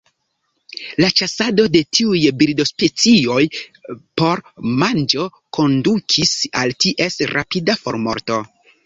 La ĉasado de tiuj birdospecioj por manĝo kondukis al ties rapida formorto.